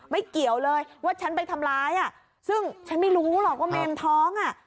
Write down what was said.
เกี่ยวเลยว่าฉันไปทำร้ายอ่ะซึ่งฉันไม่รู้หรอกว่าเมนท้องอ่ะ